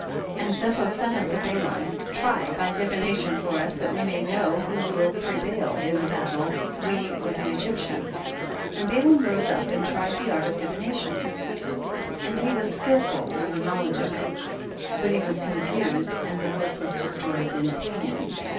27. And Zepho said unto Balaam, try by divination for us that we may know who will prevail in the battle, we or the Egyptians. 28. And Balaam rose up and tried the art of divination, and he was skil ful in the knowledge of it, but he was confused and the work was de stroyed in his hand.